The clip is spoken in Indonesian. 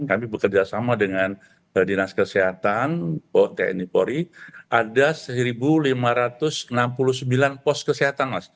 kami bekerja sama dengan dinas kesehatan ada satu lima ratus enam puluh sembilan poskesehatan mas